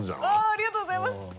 ありがとうございます！